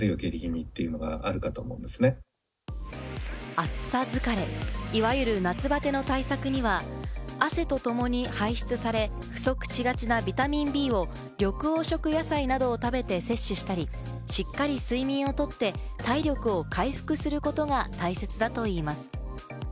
暑さ疲れ、いわゆる夏バテの対策には、汗とともに排出され、不足しがちなビタミンＢを緑黄色野菜などを食べて摂取したり、しっかり睡眠をとって体力を回復することが大切だといいます。